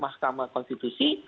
maka kita akan melakukan aksi aksi